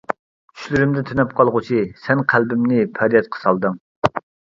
چۈشلىرىمدە تۈنەپ قالغۇچى، سەن قەلبىمنى پەريادقا سالدىڭ.